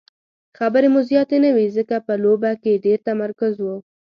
خبرې مو زیاتې نه وې ځکه په لوبه کې ډېر تمرکز وو.